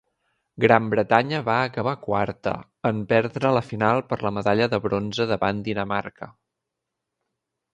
Gran Bretanya va acabar quarta, en perdre la final per la medalla de bronze davant Dinamarca.